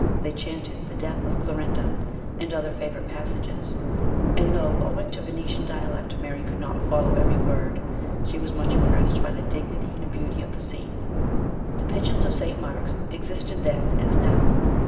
They chanted " The death of Clorinda " and other favourite passages ; and though, owing to Venetian dialect Mary could not follow every word, she was much impressed by the dignity and beauty of the scene. The Pigeons of St. Mark's existed then as now.